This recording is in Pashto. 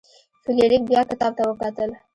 فلیریک بیا کتاب ته وکتل.